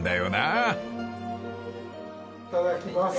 いただきます。